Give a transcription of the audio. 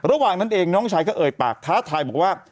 ระหว่างนั้นเองน้องชายก็เอ่ยปากท้าทายบอกว่า